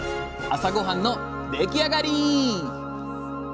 朝ごはんの出来上がり！